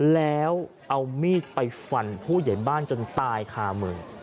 แล้วเอามีดไปฟันผู้ใหญ่บ้านจนตายคามือ